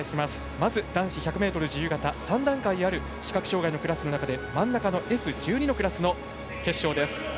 まず、男子１００ｍ自由形３段階ある視覚障がいの中で真ん中のＳ１２のクラスの決勝。